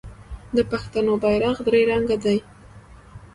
د پښتنو بیرغ درې رنګه دی.